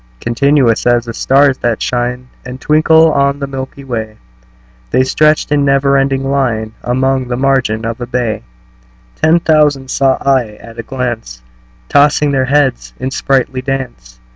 Continuous as the stars that shine And twinkle on the milky way, The stretched in never ending line Along the margin of a bay: Ten thousand saw I at a glance, Tossing their heads in sprightly dance.